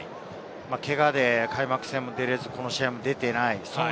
けがで開幕戦も出られず、この試合も出ていない。